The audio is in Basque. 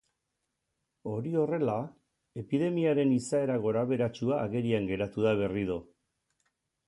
Hori horrela, epidemiaren izaera gorabeheratsua agerian geratu da berriro.